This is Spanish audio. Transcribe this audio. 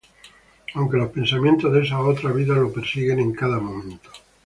Aunque los pensamientos de esa otra vida lo persiguen en cada momento.